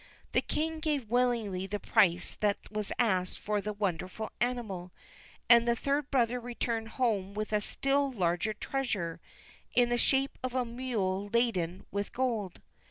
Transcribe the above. The king gave willingly the price that was asked for the wonderful animal, and the third brother returned home with a still larger treasure, in the shape of a mule laden with gold.